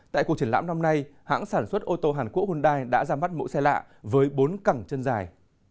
tại cuộc triển lãm năm nay hãng sản xuất ô tô hàn quốc hyundai đã ra mắt mẫu xe lạ với bốn cẳng chân dài